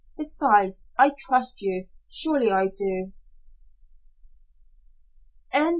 Besides I trust you. Surely I do."